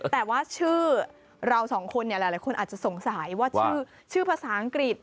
แต่ว่าชื่อเราสองคนหลายคนอาจจะสงสัยว่าชื่อภาษาอังกฤษ